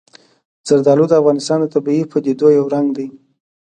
زردالو د افغانستان د طبیعي پدیدو یو رنګ دی.